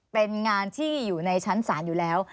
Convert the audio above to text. เป็นงานที่อยู่ในชั้นศาลอยู่แล้ว